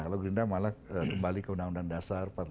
kalau gerindra malah kembali ke undang undang dasar empat puluh lima